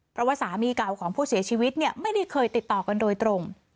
เพราะว่าสามีเก่าของผู้เสียชีวิตเนี่ยไม่ได้เคยติดต่อกันโดยตรง